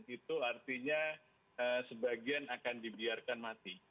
itu artinya sebagian akan dibiarkan mati